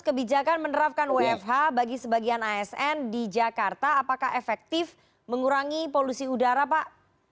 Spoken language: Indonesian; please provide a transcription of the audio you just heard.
kebijakan menerapkan wfh bagi sebagian asn di jakarta apakah efektif mengurangi polusi udara pak